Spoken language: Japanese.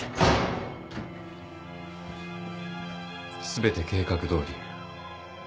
・全て計画どおりに。